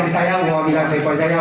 demikian dari saya